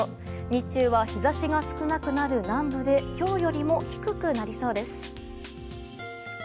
日中は日差しが少なくなる南部で今日よりも低くなりそうです。